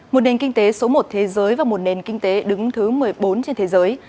một nền kinh tế số một thế giới và một nền kinh tế đứng thứ một mươi bốn trên thế giới